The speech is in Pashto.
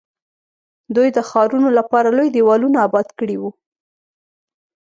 دوی د ښارونو لپاره لوی دیوالونه اباد کړي وو.